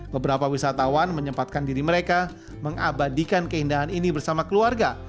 beberapa wisatawan menyempatkan diri mereka mengabadikan keindahan ini bersama keluarga